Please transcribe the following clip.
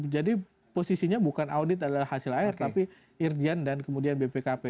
jadi posisinya bukan audit adalah hasil air tapi irjen dan kemudian bpkp